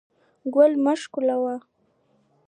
ګل مه شکولوئ